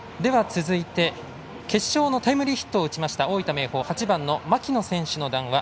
続いて、決勝のタイムリーヒットを打ちました大分・明豊８番の牧野選手の談話